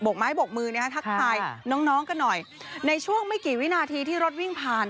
กไม้บกมือนะฮะทักทายน้องน้องกันหน่อยในช่วงไม่กี่วินาทีที่รถวิ่งผ่าน